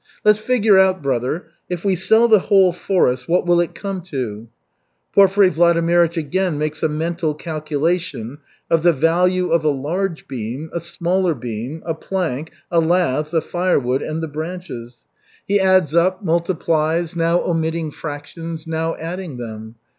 "Let's figure out, brother. If we sell the whole forest, what will it come to?" Porfiry Vladimirych again makes a mental calculation of the value of a large beam, a smaller beam, a plank, a lath, the firewood and the branches. He adds up, multiplies, now omitting fractions, now adding them.